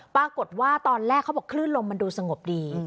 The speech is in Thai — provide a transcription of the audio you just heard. ปรากฏว่าตอนแรกเขาบอกคลื่นลมมันดูสงบดี